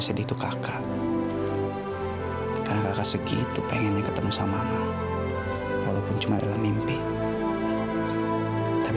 sampai jumpa di video selanjutnya